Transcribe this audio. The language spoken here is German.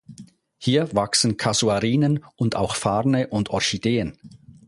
Hier wachsen Kasuarinen und auch Farne und Orchideen.